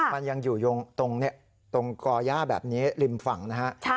มันยังอยู่ตรงเนี่ยตรงกรอย่าแบบนี้ริมฝั่งนะฮะ